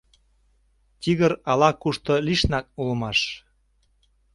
Тигр ала-кушто лишнак улмаш.